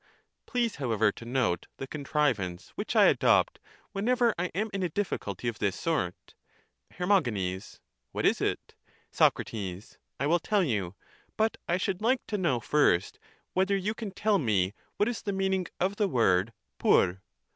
Please; however, to note the con trivance which I adopt whenever I am in a difficulty of this sort. Her. What is it> Soc. I will tell you ; but I should like to know first whether you can tell me what is the meaning of the word TTVp?